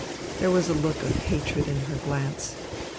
There was a look of hatred in her glance.